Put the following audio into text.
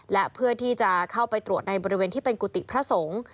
และเพื่อที่จะเข้าไปตรวจในบริเวณที่เป็นกุฏิพระสงฆ์